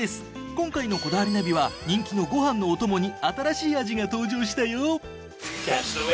今回の『こだわりナビ』は人気のごはんのお供に新しい味が登場したよ。